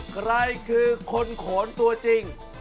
ใครคือคนโขนตัวจริง